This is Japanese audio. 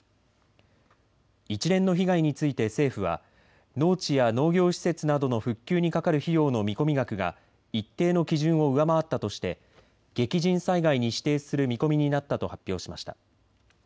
一連の被害について政府は農地や農業施設などの復旧にかかる費用の見込み額が一定の基準を上回ったとして激甚災害に指定する見込みになったと発表しました。